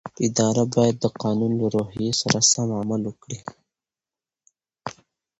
اداره باید د قانون له روحیې سره سم عمل وکړي.